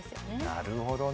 なるほどね。